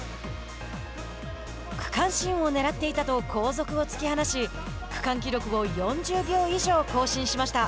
区間新をねらっていたと後続を突き放し区間記録を４０秒以上更新しました。